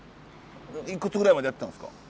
いくつぐらいまでやってたんですか？